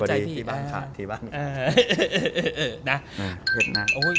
พอดีที่บ้านค่ะที่บ้าน